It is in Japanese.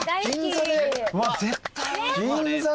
うわっ絶対。